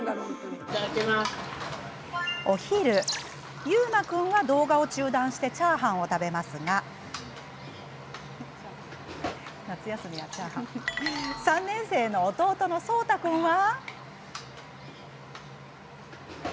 お昼、ゆうま君は動画を中断してチャーハンを食べますが３年生の弟のそうた君は。